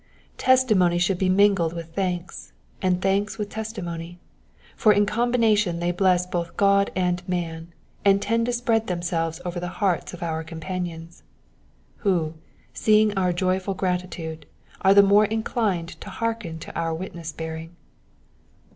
Testimony should be mingled with thanks, and thanks with testimony, for in combination they bless both God and man, and tend to spread themselves over the hearts of our companions ; who, seeing our joyful gratitude, are the more inclined to hearken to our witness bearing.